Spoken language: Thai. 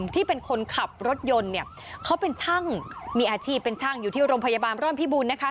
ที่เป็นคนขับรถยนต์เนี่ยเขาเป็นช่างมีอาชีพเป็นช่างอยู่ที่โรงพยาบาลร่อนพิบุญนะคะ